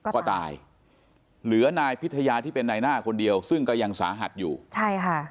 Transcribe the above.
ก็ตายเหลือนายพิทยาที่เป็นนายหน้าคนเดียวซึ่งก็ยังสาหัสอยู่ใช่ค่ะ